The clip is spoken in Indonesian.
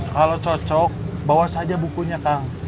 kalau cocok bawa saja bukunya kang